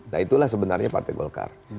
nah itulah sebenarnya partai golkar